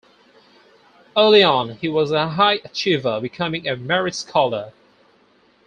Early on, he was a high achiever, becoming a Merit Scholar.